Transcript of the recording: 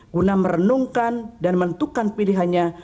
guna merenungkan dan menentukan pilihannya